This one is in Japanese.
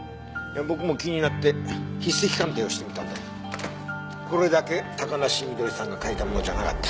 僕も気になって筆跡鑑定をしてみたんだけどこれだけ高梨翠さんが書いたものじゃなかった。